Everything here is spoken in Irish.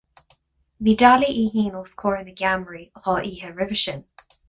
Bhí Dolly í féin os comhair na gceamaraí dhá oíche roimhe sin.